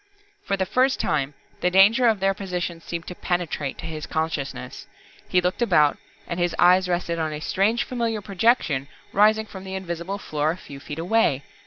For the first time, the danger of their position seemed to penetrate to his consciousness. He looked about and his eyes rested on a strange familiar projection rising from the invisible floor a few feet away.